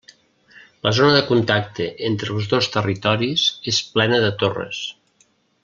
La zona de contacte entre els dos territoris és plena de torres.